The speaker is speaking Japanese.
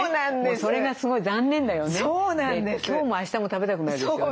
今日もあしたも食べたくないですよね。